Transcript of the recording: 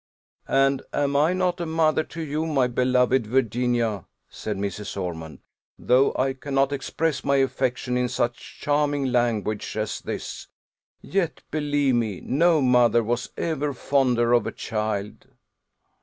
"And am I not a mother to you, my beloved Virginia?" said Mrs. Ormond. "Though I cannot express my affection in such charming language as this, yet, believe me, no mother was ever fonder of a child."